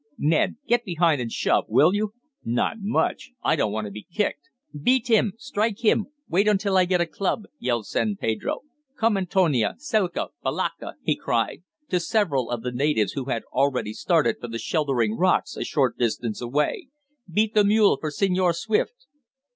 Ned, get behind and shove, will you?" "Not much! I don't want to be kicked." "Beat him! Strike him! Wait until I get a club!" yelled San Pedro. "Come, Antonia, Selka, Balaka!" he cried, to several of the natives who had already started for the sheltering rocks a short distance away. "Beat the mule for Senor Swift!"